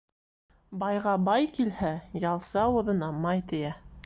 Байға бай килһә, ялсы ауыҙына май тейә.